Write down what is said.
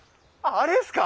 あれですか？